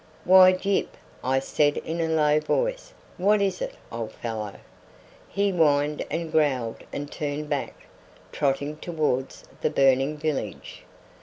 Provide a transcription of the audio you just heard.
"Why, Gyp," I said in a low voice, "what is it, old fellow?" He whined and growled and turned back, trotting towards the burning village.